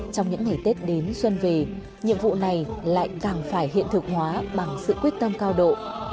trong những ngày tết đến xuân về nhiệm vụ này lại càng phải hiện thực hóa bằng sự quyết tâm cao độ